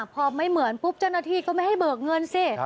พอไม่เหมือนปุ๊บเจ้าหน้าที่ก็ไม่ให้เบิกเงินสิ